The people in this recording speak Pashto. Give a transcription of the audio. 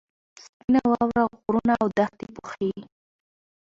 سپینه واوره غرونه او دښتې پوښي.